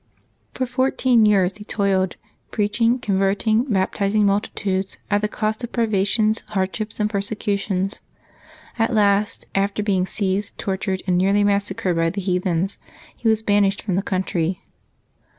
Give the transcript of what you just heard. For fourteen years he toiled, preaching, converting, bap tizing multitudes, at the cost of privations, hardships, and persecutions. At last, after being seized, tortured, and n early massacred by the heathens, he was banished from the country.